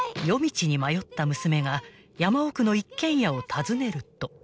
［夜道に迷った娘が山奥の一軒家を訪ねると］